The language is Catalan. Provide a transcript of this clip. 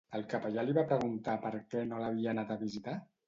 El capellà li va preguntar per què no l'havia anat a visitar?